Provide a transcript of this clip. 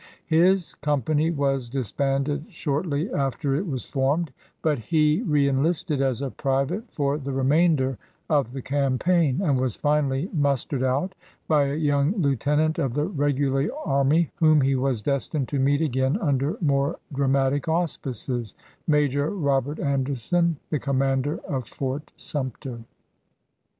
His company was disbanded shortly after it was formed, but he reenlisted as a private for the remainder of the campaign, and was finally mus tered out by a young lieutenant of the regular army whom he was destined to meet again under more dramatic auspices— Major Robert Ander son, the commander of Fort Sumter.